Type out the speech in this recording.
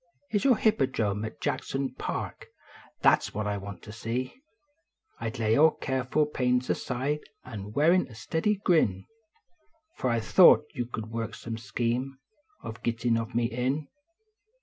Is your hippodrome at Jackson Park, that s what I want to see ; I d lay all careful pains aside an wear a steady grin F I thought at you could work some scheme Of gittin of me in.